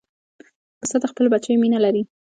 پسه د خپلو بچیو مینه لري.